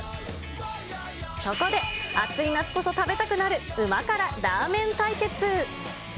そこで暑い夏こそ食べたくなる旨辛ラーメン対決。